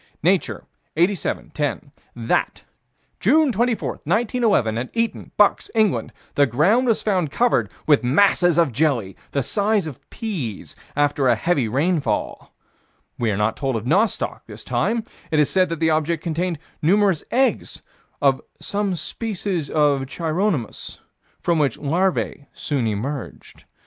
Nature, 87 10: That, June 24, 1911, at Eton, Bucks, England, the ground was found covered with masses of jelly, the size of peas, after a heavy rainfall. We are not told of nostoc, this time: it is said that the object contained numerous eggs of "some species of Chironomus, from which larvae soon emerged."